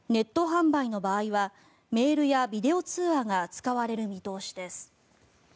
販売の場合はメールやビデオ通話が使われる見通しです。